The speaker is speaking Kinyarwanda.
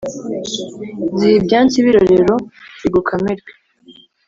zihe ibyansi birorero zigukamirwe,